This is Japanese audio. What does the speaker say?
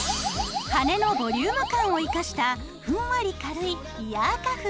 羽根のボリューム感を生かしたふんわり軽いイヤーカフ。